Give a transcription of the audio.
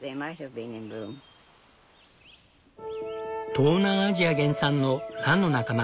東南アジア原産のランの仲間